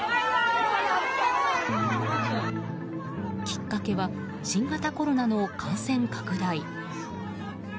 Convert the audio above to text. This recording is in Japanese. きっかけは新型コロナの感染拡大。